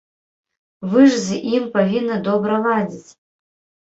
Вы ж з ім павінны добра ладзіць.